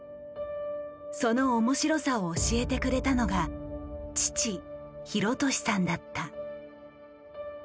その面白さを教えてくれたのが父広利さんだった。